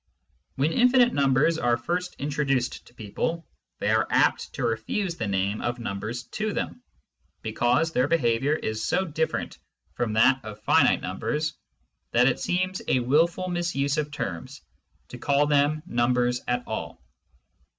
When infinite numbers are first introduced to people, they are apt to refuse the name of numbers to them, because their behaviour is so diflFerent from that of finite numbers that it seems a wilful misuse of terms to call them numbers at all.